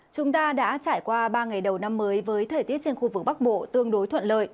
chúng ta đã trải qua ba ngày đầu năm mới với thời tiết trên khu vực bắc bộ tương đối thuận lợi